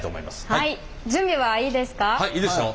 はい準備はいいですか？